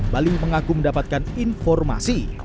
bali mengaku mendapatkan informasi